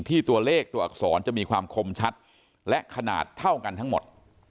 ที่ตัวเลขตัวอักษรจะมีความคมชัดและขนาดเท่ากันทั้งหมด